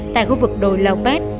tại khu vực đồi lộng bết